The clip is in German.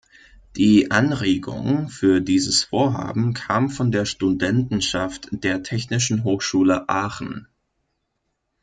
Die Anregung für dieses Vorhaben kam von der Studentenschaft der Technischen Hochschule Aachen.